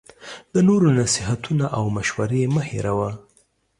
د نورو نصیحتونه او مشوری مه هیروه